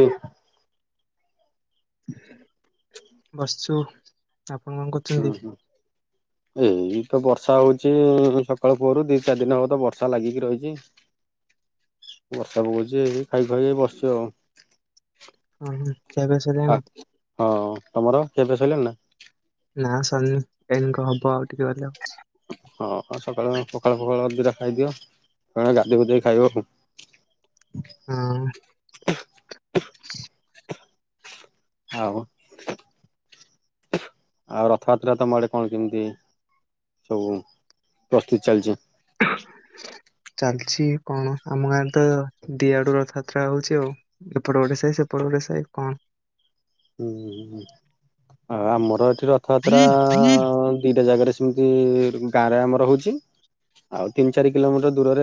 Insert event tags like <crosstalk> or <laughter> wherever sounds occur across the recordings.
ଏଇ। ବସଚୁ। ଆପଣ କଣ କଥ ହୁଁ ହୁଁ। ଏଇ ତ ବର୍ଷା ହୋଉଚି ସକାଳୁ ପହରୁ ଦି ଚାରି ଦିନ ହବ ତ ବର୍ଷା ଲାଗିକି ରହିଚି। <inaudible> ବର୍ଷା ପକୋଉଚି ଏଇ ଖାଇ, ଖୁଆକି ଏଇ ବସଚୁ ଆଉ। ଉଁ ହୁଁ ପାକ ହଁ, ତମର ଖିଆ ପିଆ ସଇଲାଣି ନା? ନା ସରନି, ଏଇନାକ ହବ ଆଉ ଟିକେ ଗଲେ। ହଁ ସକାଳୁ ପଖାଳ, ଫଖାଳ ଦୁଇଟା ଖାଇଦିଅ ଗାଧୋଇ, ଗୁଧାଇ ଖାଇବ ଆଉ। ହୁଁ। ହିସ। ଆଉ, ଆଉ ରଥଯାତ୍ରା ତମ ଆଡେ କଣ କେମିତି? ସବୁ ପ୍ରସ୍ତୁତି ଚାଲଚି। ହେଏ। ଚାଲିଛି କଣ ଆମ ଗାଁରେ ତ ଦି ଆଡୁ ରଥଯାତ୍ରା ହୋଉଚି ଆଉ। ଏପଟେ ଗୋଟେ ସାଇ, ସେପଟେ ଗୋଟେ ସାଇ କଣ। ହୁଁ ଆଉ ଆମର ଏଠି ରଥଯାତ୍ରା ଦିଟା ଜାଗାରେ। ଯେମତି ଗାଁରେ ଆମର ହୋଉଚି। ଆଉ ତିନି ଚାରି କିଲୋମିଟର୍ ଦୂରରେ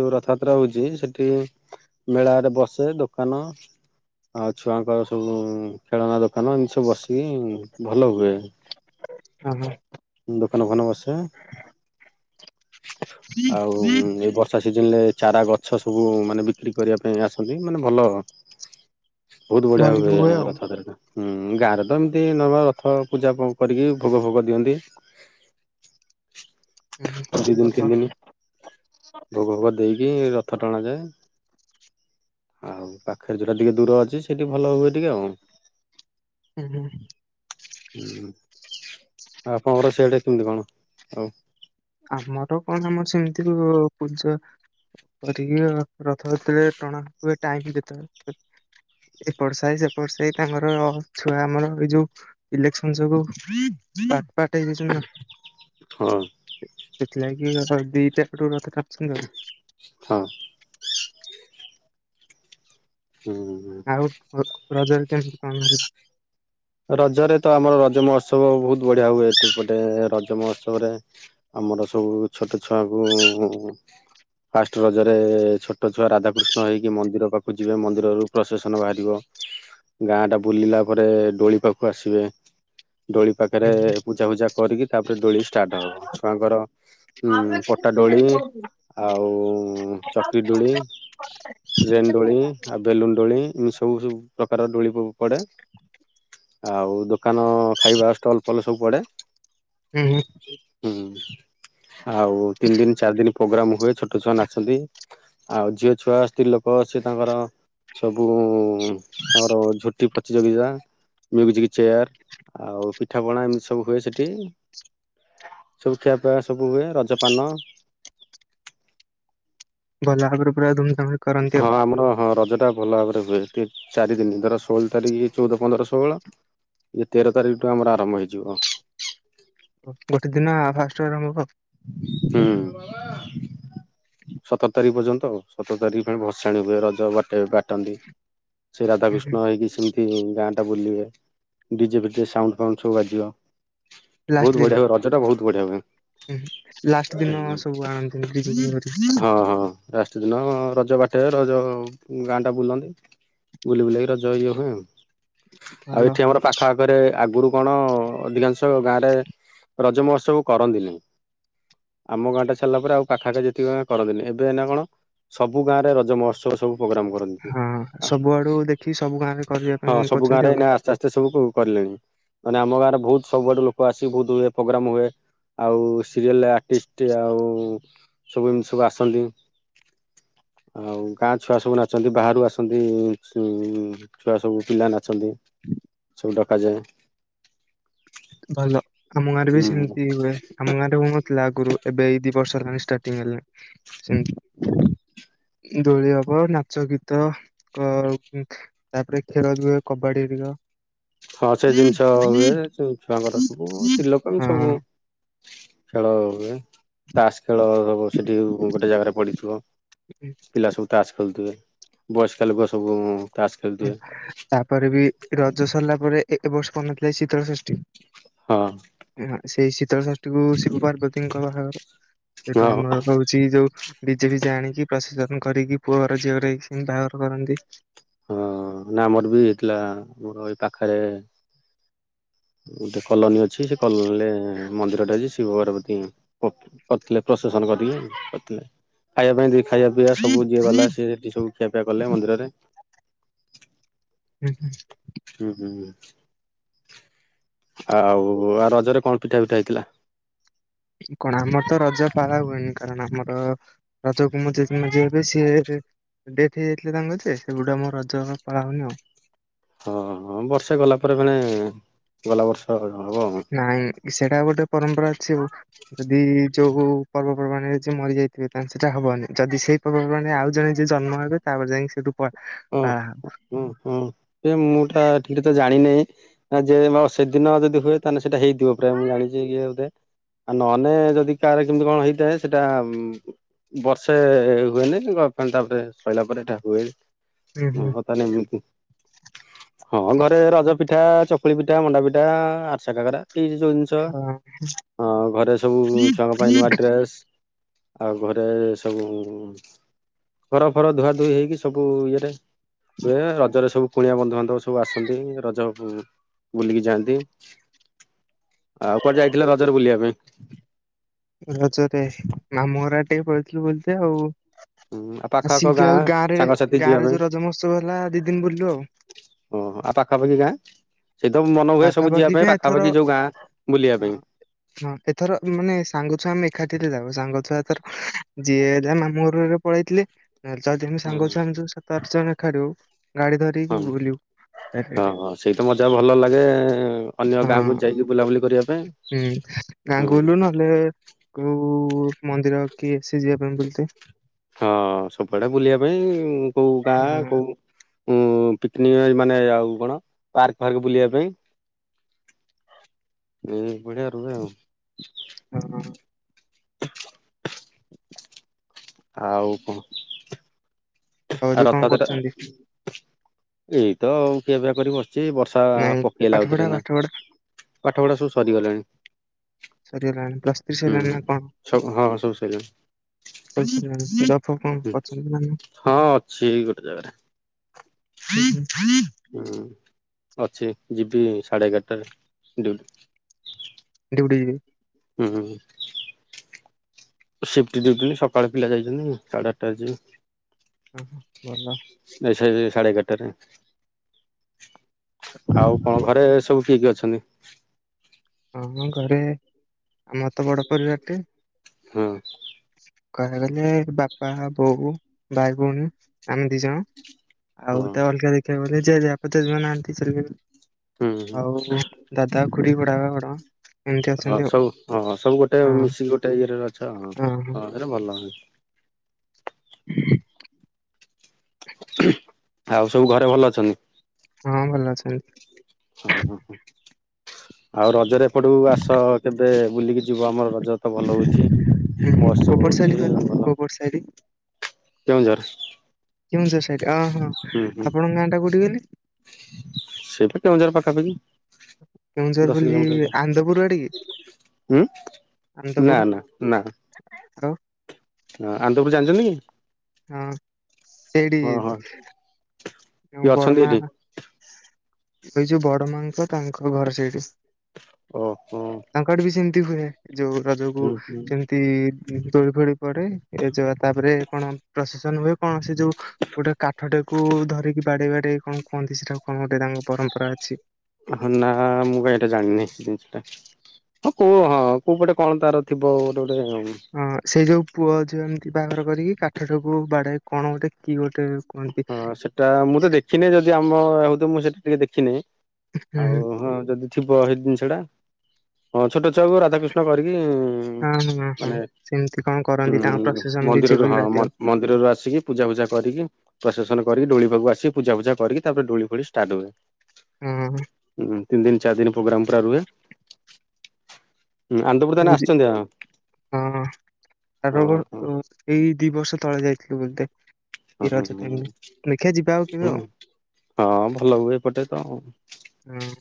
ଯୋଉ ରଥଯାତ୍ରା ହଉଚି ସେଠି ମେଳାରେ ବସେ ଦୋକାନ ଆଉ ଛୁଆଙ୍କର ସବୁ ଖେଳନା ଦୋକାନ ଏମିତି ସବୁ ବସିକି ଭଲ ହୁଏ। ହଁ, ହଁ। ଦୋକାନ, ଫୋକାନ ବସେ ଆଉ ଏଇ ବ ବର୍ଷା ସିଜନରେ ଚାରା ଗଛ ସବୁ ମାନେ ବିକ୍ରି କରିବା ପାଇଁ ଆସନ୍ତି ମାନେ ଭଲ ବହୁତ୍ ବଢ଼ିଆ ଭଲିକି ହୁଏ ଆଉ। ରଥଯାତ୍ରାଟା। ହୁଁ, ଗାଁରେତ ଏମିତି ନବା ରଥ ପୂଜା କରିକି, ଭୋଗ ଭୋଗ ଦିଅନ୍ତି। ହୁଁ ଦୁଇ ହୁଁ, ଭଲ ଦିନି ତିନି ଦିନି ଭୋଗ ଫୋଗ ଦେଇକି ରଥ ଟଣାଯାଏ। ଆଉ ପାଖରେ ଯୋଉଟା ଟିକେ ଦୂର ଅଛି, ସେଠି ଭଲ ହୁଏ ଟିକେ ଆଉ। ହୁଁ ହୁଁ। ହୁଁ, ଆଉ ଆପଣଙ୍କର ସିଆଡ଼େ କେମିତି କଣ ଆଉ ସବୁ? ଆମର କଣ ଆମର ସେମିତି ହୁଏ ପୂଜା କରିକି ଆଉ ରଥଯାତ୍ରାରେ ଟଣା ହୁଏ ଟାଇମ୍ ଯେତେବେଳେ ଏପଟ ସାହି, ସେପଟ ସାହି ତାଙ୍କର ଛୁଆ ଆମର ଏଇ ଯୋଉ ଇଲେକ୍ସନ ଯୋଗୁଁ ପାର୍ଟ ପାର୍ଟ ହେଇଯାଇଚନ୍ତିନା ହଁ। ସେଥିଲାଗି ଆମର ଦିଟା ରଥ ଟାଣୁଚନ୍ତି ଆଉ। ହଁ। ହୁଁ। ଆଉ ରଜରେ କେମିତି ପାଳନ ହେଲା? ରଜରେତ ଆମର ରଜ ମହୋତ୍ସବ ବହୁତ୍ ବଢ଼ିଆ ହୁଏ ଏଠିଏପଟେ ରଜ ମହୋତ୍ସବରେ ଆମର ସବୁ ଛୋଟ ଛୁଆକୁ ଫାଷ୍ଟ ରଜରେ ଛୋଟ ଛୁଆ ରାଧାକୃଷ୍ଣ ହେଇକି ମନ୍ଦିର ପାଖକୁ ଯିବେ ମନ୍ଦିରରୁ ପ୍ରଶେସନ ବାହାରିବ ଗାଁଟା ବୁଲିଲା ପରେ ଦୋଳି ପାଖକୁ ଆସିବେ ଦୋଳି ପାଖରେ ହୁଁ ପୂଜା ଫୂଜା କରିକି ତାପରେ ଦୋଳି ଷ୍ଟାର୍ଟ ହବ ଛୁଆଙ୍କର ହୁଁ, ପଟା ଦୋଳି ଆଉ ଚକ୍ରିଦୋଳି ଟ୍ରେନ୍ ଦୋଳି ଆଉ ବେଲୁନ୍ ଦୋଳି ଏମିତି ସବୁ, ସବୁ ପ୍ରକାର ଦୋଳି ପଡ଼େ। ଆଉ ଦୋକାନ ଖାଇବା ଷ୍ଟଲ୍ ଫଲ୍ ସବୁ ପଡ଼େ। ହୁଁ, ହୁଁ। ହୁଁ ଆଉ ତିନି ଦିନ, ଚାରି ଦିନ ପୋଗ୍ରାମ ହୁଏ ଛୋଟ ଛୁଆ ନାଚନ୍ତି। ଆଉ ଝିଅ ଛୁଆ ସ୍ତ୍ରୀ ଲୋକ ସେତାଙ୍କର ସବୁ ହୁଁ ଆମର ଝୋଟି ପ୍ରତିଯୋଗିତା ମ୍ୟୁଜିକ୍ ଚେୟାର ଆଉ ପିଠାପଣା ଏମିତି ସବୁ ହୁଏ ସେଠି। ସବୁ ଖିଆପିଆ ସବୁ ହୁଏ ରଜପାନ ଭଲଭାବରେ ପୁରା ଧୁମ୍ ଧାମ ହଁ, ଆମର ହଁ ରଜଟା ଭଲ ଭାବରେ ହୁଏ ଟିକେ ଚାରିଦିନ ଧର ଷୋହଳ ତାରିଖି ଚଉଦ, ପନ୍ଦର, ଷୋହଳ ଇଏ ତେର ତାରିଖଠୁ ଆମର ଆରମ୍ଭ ହେଇଯିବ। ଗୋଟେ ଦିନ ଫାଷ୍ଟରୁ ଆରମ୍ଭ ହବ? ହୁଁ ସତର ତାରିଖି ପର୍ଯ୍ୟନ୍ତ ସତର ତାରିଖି ଭସାଣି ହୁଏ ରଜ ବାଟେ ବାଟନ୍ତି ହୁଁ ହୁଁ ସେରାଧାକୃଷ୍ଣ ହେଇକି ସେ ଏ ଗାଁଟା ବୁଲିବେ ଡିଜେ ଫିଜେ ସାଉଣ୍ଡ ଫାଉଣ୍ଡ ସବୁ ବାଜିବ ବହୁତ ବଢିଆ ହୁଏ ରଜ ଟା ବହୁତ ବଢିଆ ହୁଏ। ଉଁ ହୁଁ ଲାଷ୍ଟ ହୁଁ ଦିନ ସବୁ ଆଣନ୍ତିି ଡି ଜେ <inaudible> ଠିନ ର ରଜ ବାଟେଇବେ ରଜ ଉଁ ଗାଁ ଟା ବୁଲନ୍ତି ବୁଲି ବୁଲାକି ରଜ ଇଏ ହୁଏ ଆଉ। ଆଉ ଭଲ ଏଠି ଆମର ପା ଖ ଆଖରେ ଆଗରୁ କଣ ଅଧିକାଂଶ ଗାଁରେ ରଜ ମହୋତ୍ସବ କରନ୍ତିନି। ଆମ ଗାଁଟା ଛାଡ଼ିଲା ପରେ ଆଉ ପାଖା ପାଖି ଯେତିକି ଗାଁ କରନ୍ତିନି ଏବେ ଏଇନା କଣ। ସବୁ ଗାଁରେ ରଜ ମହୋତ୍ସବ ସବୁ ପ୍ରୋଗ୍ରାମ କର ହଁ ସବୁଆଡୁ ଦେଖିକି ସବୁ ଗାଁରେ କରିବା ପାଇଁ କରୁଛନ୍ତି ଆଉ। ସେ ସବୁ କୁ କରିଲେଣି ମାନେ ଆମ ଗାଁରେ ବହୁତ ସବୁଆଡୁ ଲୋକ ଆସି ବହୁତ ହୁଏ ପୋଗ୍ରାମ ହୁଏ। ଆଉ ସିରିଏଲ ଆର୍ଟିଷ୍ଟ ଆଉ ସବୁ ଏମିତି ସବୁ ଆସନ୍ତି। ଆଉ ଗାଁ ଛୁଆ ସବୁ ନାଚନ୍ତି ବାହାରୁ ଆସନ୍ତି ଉଁ ଛୁଆ ସବୁ ପିଲା ନାଚନ୍ତି ସବୁ ଡକାଯାଏ। ଭଲ ଆମ ଗାଁରେ ବି ସେମିତି ହୁଏ। ଆମ ଗାଁରେ ହଉନଥିଲା ଆଗରୁ ଏବେ ଏଇ ଦି ବର୍ଷ ହେଲାଣି ଷ୍ଟାର୍ଟିଙ୍ଗ ହେଲେ ସେମ। ଦୋଳି ହବ ନାଚ, ଗୀତ କ ଉଁ। ତାପରେ ଖେଳ ହୁଏ କବାଡି <unintelligible> ହଁ ସେ ଜିନିଷ ହୁଏ ସବୁ ଛୁଆଙ୍କର ସବୁ ସ୍ତ୍ରୀ ଲୋକ ଏମିତି ସବୁ। ଖେଳ ହୁଏ। ତାସ ଖେଳ ହବ ସେଠି ଗୋଟେ ଜାଗାରେ ପଡ଼ିଥିବ ପିଲା ସବୁ ତାସ ଖେଳୁଥିବେ। ବୟସ୍କ ଲୋକ ସବୁ। ତାସ ଉଁ ଖେଳୁଥିବେ ତାପରେ ବି ରଜ ସରିଲା ପରେ ଏ ଏ ବର୍ଷ ପଡିନଥିଲା କି ଶୀତଳ ଷଷ୍ଠୀ। ହଁ। <unintelligible> ସେଇ ଶୀତଳ ଷଷ୍ଠୀକୁୁ ଶିବ, ପାର୍ବତୀଙ୍କର <unintelligible> ସେଠୁ ହଁ ଆମର ଚି ଯୋଉ ଡି ଜେ ଫିଜେ ଆଣିକି ପ୍ରଶେସନ କରିକି ପୁଅ ଘର ଝିଅ ହେଇକି ବାହାଘର କରନ୍ତି। ହଁ ନା ଆମର ବି ହେଇଥିଲା ମୋର ଏଇ ପାଖରେ। ଗୋଟେ କଲୋନୀ ଅଛି ସେ କଲୋନୀରେ ମନ୍ଦିରଟା ଅଛି ଶିବ, ପାର୍ବତୀ ପ କରିଥିଲେ ପ୍ରସେସନ <unintelligible> କରିଥିଲେ ଖାଇବା ପାଇଁ ଦେ ଖାଇବା ପିଇବା ସବୁ ଯିଏ ଗଲା ସିଏ ସେଠି ସବୁ ଖିଆପିଆ କଲେ ମନ୍ଦିରରେ। ହୁଁ ହୁଁ। ହୁଁ ହୁଁ ହୁଁ। ଆଉ ର-ରଜରେ କଣ ପିଠା ପିଠା ହେଇଥିଲା? କଣ ଆମର ତ ରଜ ପାଳା ହୁଏନି କାରଣ ଆମର। ରଜକୁ ମୋ ଜେଜେ ମରିଯାଇଥିଲେ ସିଏ। ଡେଥ ହେଇଯାଇଥିଲା ତାଙ୍କର ଯେ ସେବେଠୁ ଆମ ରଜ ପାଳା ହଉନି ଆଉ। ହଁ ହଁ ବର୍ଷେ ଗଲା ପରେ ମାନେ ଗଲା ବର୍ଷ ହବ। ନାଇଁ ସେଇଟା ଗୋଟେ ପରମ୍ପରା ଅଛି। ଯଦି ଯୋଉ ପର୍ବପର୍ବାଣରେ ଯିଏ ମରି ଯାଇଥିବେ ତାହେନେ ସେଟା ହବନି ଯଦି ସେ ପର୍ବପର୍ବାଣିରେ ଆଉ ଜଣେ ଯିଏ ଜନ୍ମ ହେବେ ତାପରେ ଯାଇକି ସେଇଠୁ ପା ଓ ପା ହୁଁ ହୁଁ ଏ ମୁଁ ଟା ଠିକରେ ତ ଜାଣିନାଇ। ଆ ଯେ ନ ସେଦିନ ଯଦି ହୁଏ ତାହେନେ ସେଇଟା ହେଇଥିବ ପ୍ରାୟ ମୁଁ ଜାଣିଛି ଇଏ ଟା। ଆ ନହେନେ ଯଦି କାହାର କେମିତି କଣ ହେଇଥାଏ ସେଟା ଉଁ। ବର୍ଷେ ହୁଏନି <unintelligible> ତାପରେ ସଇଲା ପରେ ଏଟା ହୁଏ ହୁଁ ହୁଁ ଓହୋ। ତାହେନେ ଏମିତି। ହଁ ଘରେ ରଜ ପିଠା, ଚକୁଳି ପିଠା, ମଣ୍ଡା ପିଠା, ଆରିସା, କାକରା ଏଇ <unintelligible> ଚ ହଁ ହଁ ଘରେ ସବୁ ଛୁଆଙ୍କ ପାଇଁ ନୂଆ ଡ୍ରେସ୍। ଆଉ ଘରେ ସବୁ ଉଁ ଘର ଫର ଧୁଆ ଧୁଇ ହେଇକି ସବୁ ବୁ ଇଏରେ ହୁଏ। ରଜରେ ସବୁ କୁଣିଆ ବନ୍ଧୁବାନ୍ଧବ ସବୁ ଆସନ୍ତି ରଜ ବୁଲିକି ଯାଆନ୍ତି। ଆଉ କୁଆଡ଼େ ଯାଇଥିଲେ ରଜରେ ବୁଲିବା ପାଇଁ? ରଜରେ ମାମୁଁଘର ଆଡ଼େ ଟିକେ ପଲେଇଥିଲି ବୁଲିତେ ଆଉ। ଆଉ ପାଖଆଖ ଆସିକି ଆଉ ଗାଁ ରେ ସାଙ୍ଗସାଥି ଗାଁ ଯିବା ରେ ପାଇଁ ଯୋଉ ରଜ ମହୋତ୍ସବ ହେଲା। ଦି ଦିନ ବୁଲିଲୁ ଆଉ। ଓହୋ ଆଉ ପାଖାପାଖି ଗାଁ? ସେଇଥିରୁ ମନ ହୁଏ। ସବୁ ଯିବା ପାଖାପାଖି ପାଇଁ ଗାଁ ଏଥର ପାଖାପାଖି ଯୋଉ ଗାଁ ବୁଲିବା ପାଇଁ। ହଁ ହଁ ଏଥର ମାନେ ସାଙ୍ଗଛୁଆ ଆମେ ଏକାଠିରେ ଯାଉ। ସାଙ୍ଗଛୁଆ ଏଥର ଯିଏ ଯା ମାମୁଁ ଘରୁକୁ ହାରିକା ପଳେଇଥିଲେ। ନହେଲେତ ଆଉ ଦି ଜଣ ସାଙ୍ଗ ହୁଁ। ଅଛନ୍ତି। ସବୁ ସ <unintelligible> ଗାଡ଼ି ଧରି ହଁ ହଁ ହଁ ସେଇତ ମଜା ଭଲ ଲାଗେ ଅନ୍ୟ ହଁ ଗାଁକୁ ଯାଇକି ବୁଲାବୁଲି କରିବା ପାଇଁ। ହଁ ଗାଁକୁ ଗଲୁ ହୁଁ ନହଲେ କୋଉ ମନ୍ଦିର କିଏ ଆସି ଯିବା ପାଇଁ ବୁଲିତେ। ହଁ ସବୁଆଡେ ବୁଲିବା ପାଇଁ। କୋଉ ହଁ ଗାଁ କୋଉ ଉ ପିକନିକ ମାନେ ଆଉ କଣ ପାର୍କ ଫାର୍କ ବୁଲିବା ପାଇଁ। ଏଇ ବଢିଆ ରୁହେ ଆଉ। ହ ହଁ। <inaudible> ଆଉ କଣ? ଆଉ ଏବେ କଣ ରଥ ସେଟା କରୁଛନ୍ତି? ଆଉ କିଏବିିଆ କରିକି ବସିଛି ବର୍ଷା। ତ ନାଇଁ ପାଠ ପକେଇଲାଆଉ ପଢା ଥରେ ନା? ପାଠ ପଢା ପାଠ ପଢା ସବୁ ସରିଗଲେଣି। ସରିଗଲାଣି। ପ୍ଲସ୍ଥ୍ରୀ ସରିଗଲାଣି ନା କଣ? ସବୁ ହଁ ସବୁ ସରିଲାଣି <unintelligible> ରଖ ଫ ପଛରେ ହଁ ଅଛନ୍ତି। ସିଏ ହେଇ ଗୋଟେ ଜାଗାରେ। <unintelligible> ହୁଁ ଅଛି। ଯିବି ସାଢ଼େ ଏଗାରଟାରେ ଡିଉଟି। ଏଟା ଗୋଟେ ଇଏ। ହୁଁ। ସିଫ୍ଟି ଡ଼ିଉଟି ସକାଳେ ପିଲା ଯାଇଛନ୍ତି। ସାଢ଼େ ଆଠଟାରେ ଯିବେ। ଓଃ ଭଲ।। ନା ସେଇ ସାଡ଼େ ଏଗାରଟାରେ। ଆଉ କଣ ଘରେ ସବୁ କିଏ କିଏ ଅଛନ୍ତି? ଆମ ଘରେ ଆମର ତ ବଡ ପରିବାର ଟେ। ହଁ। କହିବାକୁ ଗଲେ ବାପା, ବୋଉ, ଭାଇ ଭଉଣୀ ଆମେ ଦି ଜଣ। ଆଉ ହଁ ତା ଅଲଗା ଦେଖିବା ଗଲେ। ଜେଜେବାପା ତ ଜେଜେମା ଆଉ ନାହାନ୍ତି ଚାଲିଗଲେ। ହୁଁ ହୁଁ ଆଉ ଦାଦା ଖୁଡ଼ି, ବଡ଼ବାପା, ବଡ଼ ମା।। ହଁ ସବୁ ହଁ ସବୁ ଗୋଟେ ହଁ ମିଶିକି ଗୋଟେ ଇଏ ରେ ଅଛ। ହଁ ଏଇଟା ଭଲ ହୁ। ହୁଁ। ଆଉ ସବୁ ଘରେ ଭଲ ଅଛନ୍ତି? ହଁ ଭଲ ଅଛନ୍ତି। ହଁ ହଁ ହଁ। ଆଉ ରଜରେ ଏପଟୁକୁ ଆସ। କେବେ ବୁଲିକି ଯିବ ଆମର ରଜ ତ ଭଲ ହଉଛି। ଅଛନ୍ତି କୋଉ ମହୋତ୍ସବ ପଟ ସାଇଡ ହଉଛି କହିଲ ଭଲ କୋଉ ପଟ ସାଇଡ କେଉଁଝର। କେଉଁଝର୍ ସାଇଟ୍ ଅ -ହଁ ଆପଣଙ୍କ ଗାଁ ଟା କଉଠି କହିଲେ? ସେଇ ପା କେଉଁଝର୍ ପାଖାପାଖି। କେଉଁଝର୍ ଦଶ ବୋଲି ଆନନ୍ଦପୁର୍ ଆଡେ କି? ଉଁ- ନା- ନା -ନା। <unintelligible> ହଁ ଆନନ୍ଦପୁର୍ ଜାଣିଚନ୍ତି? ହଁ ସେଇଠି ହଁ କିଏ ବଡ ଅଛନ୍ତି ମା ଏଠି ସେଇଯଉ ବଡ ମାଙ୍କ ତାଙ୍କ ଘର ସେଇଠେ। ଓହୋ। ତାଙ୍କ ଆଡ଼େ ବି ସେମିତି ହୁଏ ଯଉ ରଜକୁ ହୁଁ ହୁଁ ସେମିତି ଦୋଳି ଫୋଳି ପଡେ ଏ ଯା ତାପରେ କଣ ପ୍ରସେସନ ହୁଏ କଣ ସେ ଯଉ ଗୋଟେ କାଠଟେ କୁ ଧରିକି ବାଡେଇ ବାଡେଇ କଣ କୁହନ୍ତି ସେଟା କଣ ଗୋଟେ ତାଙ୍କ ପରମ୍ପରା ଅଛି। ହଁ ନା ମୁଁ କାଇଁ ଏଟା ଜାଣିନି ଜିନିଷଟା ହଁ କଉ ହଁ କଉ ପଟେ କଣ ତାର ଥିବ ଗୋଟେ ଗୋଟେ ଉଁ ହଁ ସେଇ ଯଉ ପୁଅ ଅଛି ଏମିତି ବାହାଘର କରିକି କାଠ ଟାକୁ ବାଡେଏ କଣ ଗୋଟେ କି ଗୋଟେ କୁହନ୍ତି। ହଁ ସେଟା ମୁଁ ତ ଦେଖିନି ଯଦି ଆମ ହଉ ଥିବ ମୁଁ ସେଟା ଟିକେ ଦେଖିନେବି। ଆଉ ହୁଁ ହଁ ଯଦି ଥିବ ସେଇ ଜିନିଷ ଟା ହଁ ଛୋଟ ଛୁଆକୁ ରାଧାକୃଷ୍ଣ କରିକି ହୁଁ ହଁ ହଁ ହଁ ମାନେ ସେମିତି କଣ କରନ୍ତି ତାଙ୍କ ହୁଁ ପ୍ରସେସନ ଡିଜେ ମନ୍ଦିର ରୁ କରିକି ହଁ ମ- ରାତିରେ। ମ ମନ୍ଦିରରୁ ଆସିକି ପୂଜା ଫୂଜା କରିକି ପ୍ରସେସନ କରି ଦୋଳି ପାଖକୁ ଆସି ପୂଜା ପୂଜା କରିକି ତାପରେ ଦୋଳି ଫୋଳି ଷ୍ଟାର୍ଟ ହୁଏ। ଓହୋ। ହୁଁ ତିନି ଦିନି ଚାରି ଦିନି ପ୍ରୋଗ୍ରାମ୍ ପୁରା ରୁହେ ଆନ୍ଦପୁର୍ ତାହାଲେ ଆସିଚନ୍ତି ଆ ହଁ -ହଁ ତାଙ୍କ ହଁ ଘରକୁ ହଁ ଏଇ ଦି ବର୍ଷ ତଳେ ଯାଇଥିଲି ବୋଧେ। ଏଇ ରଜ ଟାଇମ୍ ହଁ ରେ ଦେଖିଆ ଯିବା ଆଉ କେବେ ହଁ ଆଉ। ହଁ ଭଲ ହୁଏ ଏପଟେ ତ ଆଉ। ହୁଁ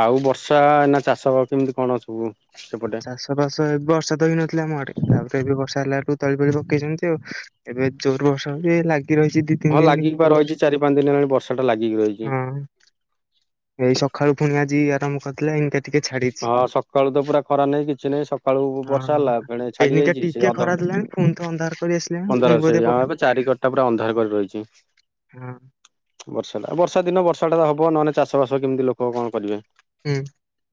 ଆଉ ବର୍ଷା ଏନା ଚାଷ କେମିତି କଣ ସବୁ ସେପଟେ? ଚାଷ ବାସ ଏବେ ବର୍ଷା ତ ହେଇ ନଥିଲା ଆମ ଆଡେ ତାପରେ ଏବେ ବର୍ଷା ହେଲାଠୁ ତଳି ଫଳି ପକେଇଚନ୍ତି ଆଉ। ଏବେ ଜୋରେ ବର୍ଷା ହଉଚି ଏ ଲାଗି ରହିଚି ଦି ତିନି ହଁ ଦିନ ଲାଗିକି ହେଲା ବା ବର୍ଷା ରହିଚି ଚାରି ପାଞ୍ଚ ଦିନି ହେଲାଣି ବର୍ଷା ଟା ଲାଗିକି ରହିଚି। ହଁ। ଏଇ ସକାଳୁ ପୁଣି ଆଜି ଆରମ୍ଭ କରିଦେଲା ଏଇ ହଁ ସକାଳୁ ତ ପୁରା ଖରା ନାହିଁ କିଛି ନାହିଁ ସକାଳୁ ବର୍ଷା ହଁ। ହେଲା ଫେଣେ ଛାଡି ଏଇନିକା ଯାଇଚି ସେ ଟିକେ ଖରା ଅଧଘଣ୍ଟେ ଦେଲାଣି ପୁଣି ତ ଅନ୍ଧାର କରି ଆସିଲାଣି ପୁଣି ପନ୍ଦର ସେ ବୋଧେ ଆଉ ପକେ ଏବେ ଚାରି କର ଟା ପୁରା ଅନ୍ଧାର କରି ରହିଚି। ହୁଁ। ବର୍ଷା ଟା ବର୍ଷା ଦିନ ବର୍ଷାଟା ତ ହବ ନହେଲେ ଚାଷ ବାସ କେମିତି ଲୋକ କଣ କରିବେ। ହୁଁ।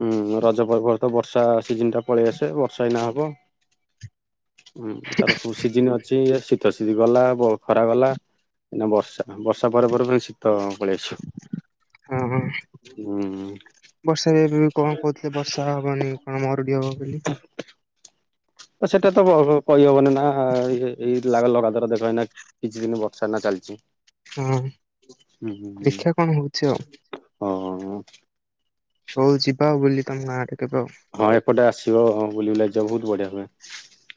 ହୁଁ ରଜ ପର୍ବଠୁ ବର୍ଷା ସିଜିନ୍ ଟା ପଳେଇ ଆସେ ବର୍ଷା ଏଇନା ହବ। ହୁଁ ତାର ସବୁ ସିଜିିନ୍ ଅଛି ଇଏ ସି ତ <unintelligible> ଗଲା ବ ଖରା ଗଲା ଏଇନା ବର୍ଷା -ବର୍ଷା ପରେ ପରେ ଫୁଣି ଶୀ ତ ପଳେଇଆସିବ ହୁଁ। ବର୍ଷାରେ ଏବେ କଣ କହୁଥିଲେ ବର୍ଷା ହବନି କଣ ମରୁଡ଼ି ହବ ବୋଲି। ସେଟା ତ କହିହବନି ନା ଏ- ଏଇ ଲାଗ୍ ଲଗାତର ଦେଖ ଏଇନା କିଛି ଦିନ ବର୍ଷା ଏଇନା ଚାଲିଚି। ହଁ ହୁଁ- ହୁଁ- ହୁଁ- ଦେଖିବା କଣ ହଉଛି ଆଉ। ହଁ-ହଁ ହଁ। ହଉ ଯିବା ଆଉ ବୁଲି ତମ ଗାଁ ଆଡ଼େ କେବେ ଆଉ? ହଁ ଏପଟେ ଆସିବ ବୁଲି ବୁଲାକି ବହୁତ୍ ବଢ଼ିଆ ହୁଏ।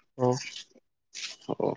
ଆଉ। ହଉ।